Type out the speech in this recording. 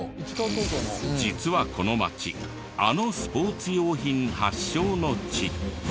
実はこの町あのスポーツ用品発祥の地。